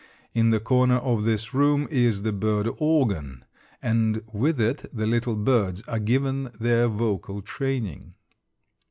In the corner of this room is the bird organ, and with it the little birds are given their vocal training.